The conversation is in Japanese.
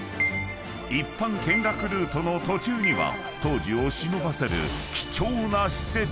［一般見学ルートの途中には当時をしのばせる］